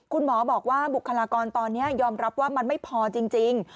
คุณหมอบอกว่าบุคลากรตอนนี้ยอมรับว่ามันไม่พอจริง